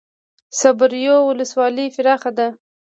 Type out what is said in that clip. صبریو ولسوالۍ پراخه ده؟